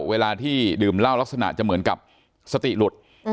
เวลาที่ดื่มเหล้าลักษณะจะเหมือนกับสติหลุด